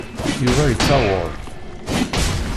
Yuba yettaweḍ.